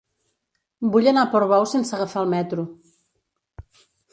Vull anar a Portbou sense agafar el metro.